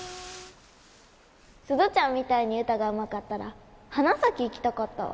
鈴ちゃんみたいに歌がうまかったら花咲行きたかったわ。